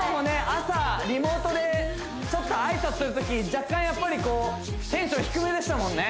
朝リモートでちょっと挨拶するとき若干やっぱりこうテンション低めでしたもんね